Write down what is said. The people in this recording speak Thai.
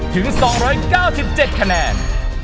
ถึง๒๙๗คะแนน